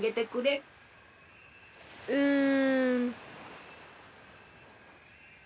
うん。